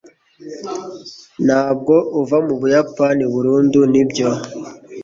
ntabwo uva mubuyapani burundu, nibyo